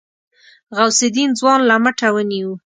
غوث الدين ځوان له مټه ونيو.